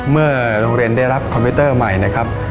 เมื่อโรงเรียนได้รับคอมพิวเตอร์ใหม่นะครับ